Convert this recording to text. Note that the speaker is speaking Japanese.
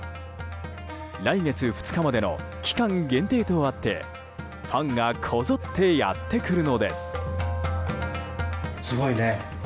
来月２日までの期間限定とあってファンがこぞってやってくるのです。